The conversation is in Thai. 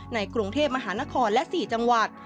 ในกรุงเทพมหานครและ๔จังหวัด